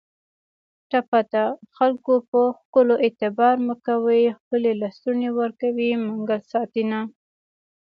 ټپه ده: خکلو په ښکلو اعتبار مه کوی ښکلي لستوڼي ورکوي منګل ساتینه